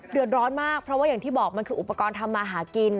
เดือดร้อนมากเพราะว่าอย่างที่บอกมันคืออุปกรณ์ทำมาหากิน